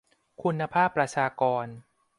คุณภาพประชากร